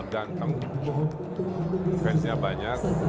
dan teman teman fansnya banyak